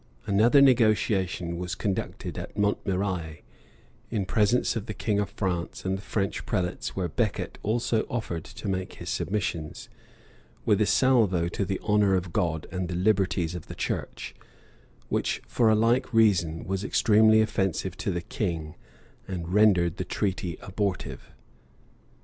Another negotiation was conducted at Montmirail, in presence of the king of France and the French prelates where Becket also offered to make his submissions, with a salvo to the honor of God and the liberties of the church; which, for a like reason, was extremely offensive to the king, and rendered the treaty abortive, {1169.